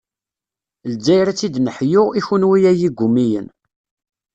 Lezzayer ad tt-id-neḥyu, i kunwi ay igumiyen.